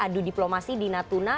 aduh diplomasi di natuna